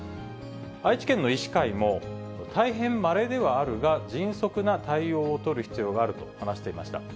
愛知県の医師会も、大変まれではあるが、迅速な対応を取る必要があると話していました。